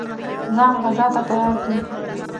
ځان غزا ته تیار کړي.